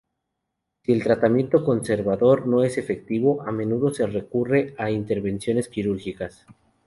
Si el tratamiento conservador no es efectivo, a menudo se recurre a intervenciones quirúrgicas.